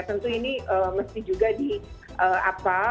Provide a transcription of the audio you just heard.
tentu ini mesti juga di apa